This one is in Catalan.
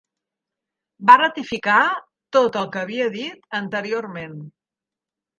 Va ratificar tot el que havia dit anteriorment.